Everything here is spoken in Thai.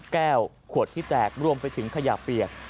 ขวดที่แตกรวมไปถึงขยะเปียก